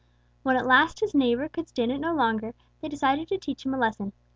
"When at last his neighbors could stand it no longer, they decided to teach him a lesson.